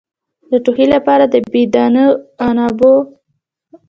د ټوخي لپاره د بې دانه عنابو جوشانده وکاروئ